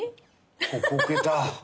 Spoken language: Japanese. ここ置けた。